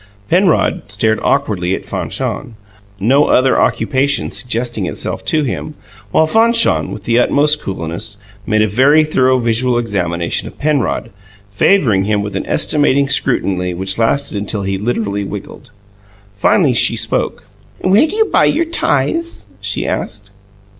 Penrod stared awkwardly at Fanchon, no other occupation suggesting itself to him, while Fanchon, with the utmost coolness, made a very thorough visual examination of Penrod, favouring him with an estimating scrutiny which lasted until he literally wiggled. Finally, she spoke. "Where do you buy your ties?" she asked.